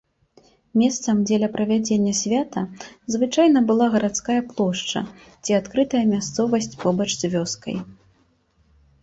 Месцам дзеля правядзення свята звычайна была гарадская плошча ці адкрытая мясцовасць побач з вёскай.